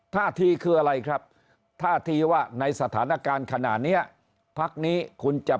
ท่าทีคืออะไรครับท่าทีว่าในสถานการณ์ขณะเนี้ยพักนี้คุณจะ